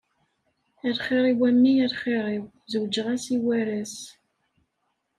A lxir-iw a mmi a lxir-iw, zewǧeɣ-as i waras.